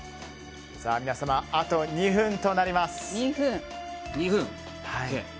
皆様、あと２分となります。